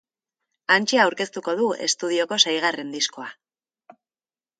Hantxe aurkeztuko du estudioko seigarren diskoa.